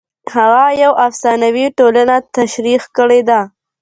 هغه یوه افسانوي ټولنه تشریح کړې ده.